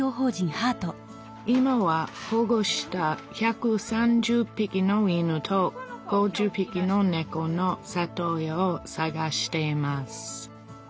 今は保護した１３０ぴきの犬と５０ぴきのねこの里親を探しています。